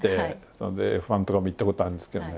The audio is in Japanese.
なのでＦ１とかも行ったことあるんですけどね。